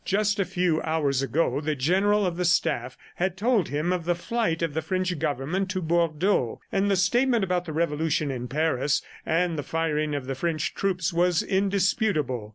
Just a few hours ago, the General of the Staff had told him of the flight of the French Government to Bordeaux, and the statement about the revolution in Paris and the firing of the French troops was indisputable.